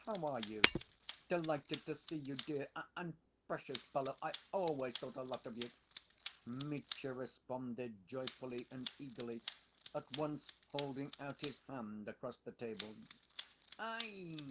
How are you?" "Delighted to see you, dear ... and precious fellow, I always thought a lot of you." Mitya responded, joyfully and eagerly, at once holding out his hand across the table. "Aie!